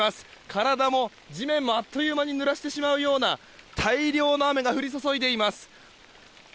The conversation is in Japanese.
体も、地面もあっという間にぬらしてしまうような大量の雨が降り注いでいます。